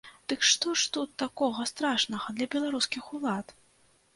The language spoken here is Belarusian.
Дык што ж тут такога страшнага для беларускіх улад?